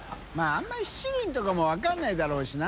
あんまり七輪とかもわかんないだろうしな。